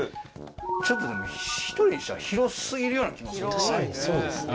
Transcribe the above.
ちょっとでも１人じゃ広過ぎるような気もするけどね。